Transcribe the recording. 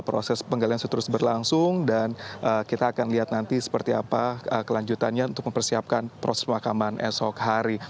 proses penggalian terus berlangsung dan kita akan lihat nanti seperti apa kelanjutannya untuk mempersiapkan proses pemakaman esok hari